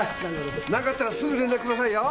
なんかあったらすぐ連絡くださいよ。